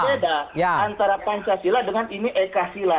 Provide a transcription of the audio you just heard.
ini berbeda antara pancasila dengan ini eka sila